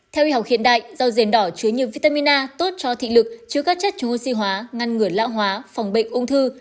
theo y học hiện đại do rền đỏ chứa nhiều vitamin a tốt cho thị lực chứa các chất chống oxy hóa ngăn ngừa lã hóa phòng bệnh ung thư